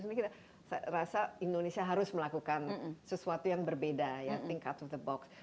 ini kita rasa indonesia harus melakukan sesuatu yang berbeda ya tingkat of the box